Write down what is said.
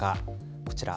こちら。